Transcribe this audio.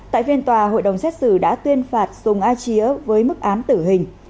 tại phiên tòa hội đồng xét xử đã tuyên phạt sùng a chía với mức án tử hình